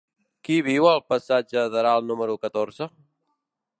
Qui viu al passatge d'Aral número catorze?